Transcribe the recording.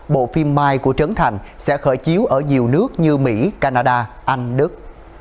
bộ phim mai của trấn thành sẽ khởi chiếu ở nhiều nước như mỹ canada anh đức